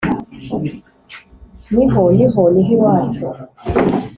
ni ho, ni ho, ni hw i wacu;